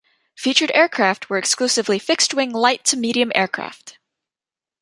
Featured aircraft were exclusively fixed-wing light to medium aircraft.